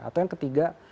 atau yang ketiga